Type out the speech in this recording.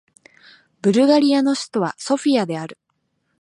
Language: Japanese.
ブルガリアの首都はソフィアである